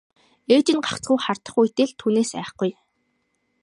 Ээж нь гагцхүү хардах үедээ л түүнээс айхгүй.